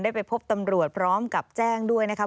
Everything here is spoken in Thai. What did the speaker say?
ไปพบตำรวจพร้อมกับแจ้งด้วยนะครับ